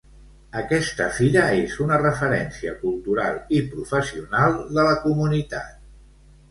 Aquesta fira és una referència cultural i professional de la comunitat.